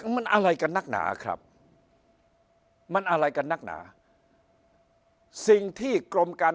มันอะไรกันนักหนาครับมันอะไรกันนักหนาสิ่งที่กรมการ